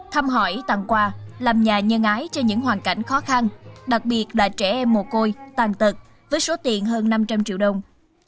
thăm hỏi tặng quà làm nhà nhân ái cho những hoàn cảnh khó khăn đặc biệt là trẻ em mồ côi tàn tật với số tiền hơn năm trăm linh triệu đồng